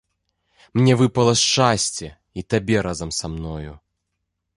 Мне выпала шчасце, і табе разам са мною.